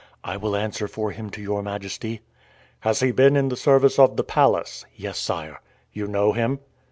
"I will answer for him to your majesty." "Has he been in the service of the Palace?" "Yes, sire." "You know him?"